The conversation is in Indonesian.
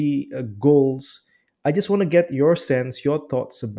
saya ingin mendapatkan pendapat anda